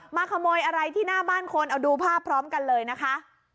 มาขโมยอะไรที่หน้าบ้านคนเอาดูภาพพร้อมกันเลยนะคะ